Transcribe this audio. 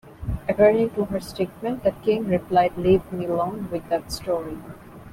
According to her statement, the King replied Leave me alone with that story.